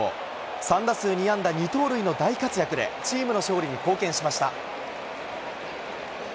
３打数２安打２盗塁の大活躍でチームの勝利に貢献しました。